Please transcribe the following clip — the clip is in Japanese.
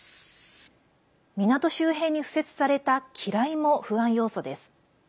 港周辺に敷設された機雷も不安要素です。